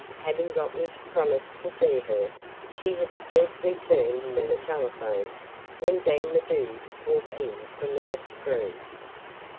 Having got me to promise to see her, she had scarcely turned from the telephone when Dan the Dude walked in from the next room.